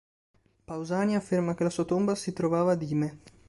Pausania afferma che la sua tomba si trovava Dime.